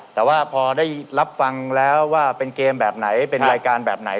แต่ว่าพอได้รับฟังแล้วว่าเป็นเกมแบบไหนเป็นรายการแบบไหน